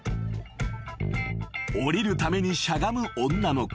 ［下りるためにしゃがむ女の子］